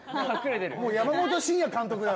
・山本晋也監督だよ。